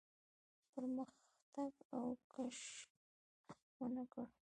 پرمختګ او کش ونه کړ.